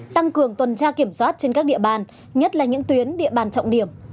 tăng cường tuần tra kiểm soát trên các địa bàn nhất là những tuyến địa bàn trọng điểm